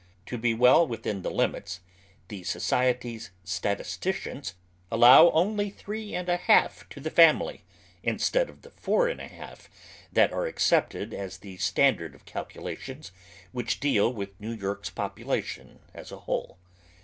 To be well within the limits, the Society's statisticians allow only three and a half to the family, instead of the four and a half that are accepted as the standard of calculations which deal with New York's population as a whole.